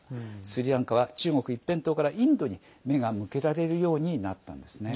スリランカは中国一辺倒からインドに目が向けられるようになったんですね。